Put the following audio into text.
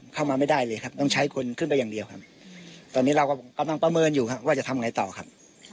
เข้ามาไม่ได้เลยครับต้องใช้คนขึ้นไปอย่างเดียวครับตอนนี้เราก็กำลังประเมินอยู่ครับว่าจะทำไงต่อครับ